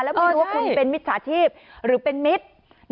ว่าคุณเป็นมิตรสาธิบหรือเป็นมิตร